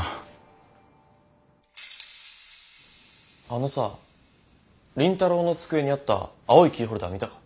あのさ倫太郎の机にあった青いキーホルダー見たか？